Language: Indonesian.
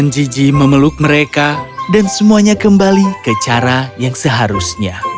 enam gigi memeluk mereka dan semuanya kembali ke cara yang seharusnya